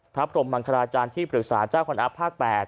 พระพรมมังคลาจารย์ที่ปรึกษาเจ้าคนอัพภาค๘